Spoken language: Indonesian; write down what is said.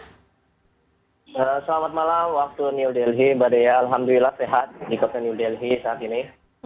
selamat malam waktu new delhi mbak dea alhamdulillah sehat di kota new delhi saat ini